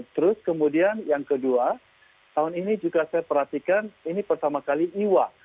terus kemudian yang kedua tahun ini juga saya perhatikan ini pertama kali iwa